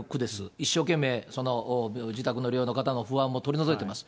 一生懸命、自宅の療養の方の不安も取り除いておられます。